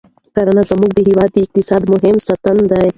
کرنه زموږ د هېواد د اقتصاد مهمه ستنه ده